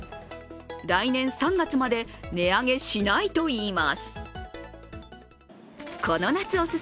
来年３月まで値上げしないといいます。